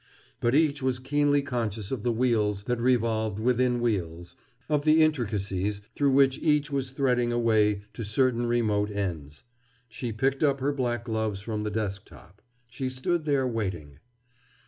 But each was keenly conscious of the wheels that revolved within wheels, of the intricacies through which each was threading a way to certain remote ends. She picked up her black gloves from the desk top. She stood there, waiting.